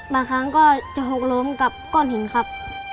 บางครั้งก็จะหกล้มกับก้อนหินครับ